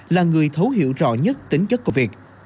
là người thấu hiểu rõ nhất tính chất của việc